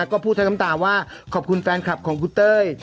ก็พูดทั้งน้ำตาว่าขอบคุณแฟนคลับของคุณเต้ย